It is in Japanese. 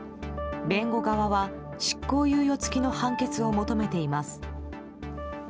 弁護側は執行猶予付きの判決を求めています。